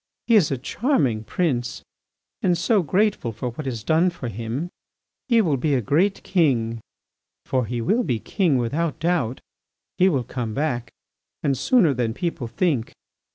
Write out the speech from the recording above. He is a charming prince and so grateful for what is done for him! He will be a great king. For he will be king without doubt. He will come back and sooner than people think.